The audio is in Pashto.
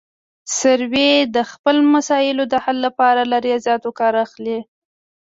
سروې د خپلو مسایلو د حل لپاره له ریاضیاتو کار اخلي